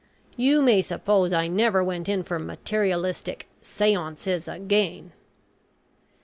You may suppose I never went in for materialistic seances again."